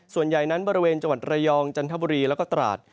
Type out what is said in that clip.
ส่วนใหญ่นั้นบริเวณจังหวัดระยองจันทบุรีแล้วก็ตราด